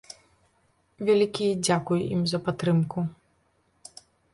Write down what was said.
Вялікі дзякуй ім за падтрымку.